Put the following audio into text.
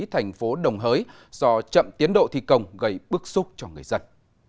thành phố đồng hới do chậm tiến độ thi công gây bức xúc cho người dân